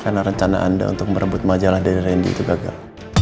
karena rencana anda untuk merebut majalah dari randy itu gagal